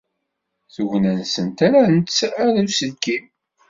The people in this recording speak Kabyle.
Tugna-nsent rrant-tt ar uselkim.